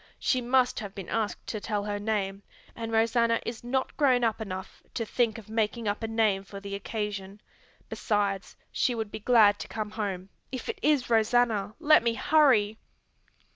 She must have been asked to tell her name, and Rosanna is not grown up enough to think of making up a name for the occasion. Besides she would be glad to come home. If it is Rosanna let me hurry!"